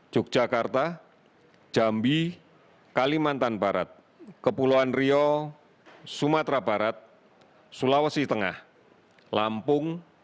yogyakarta jambi kalimantan barat kepulauan rio sumatera barat sulawesi tengah lampung